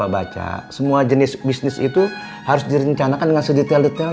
buka bisnis restoran padang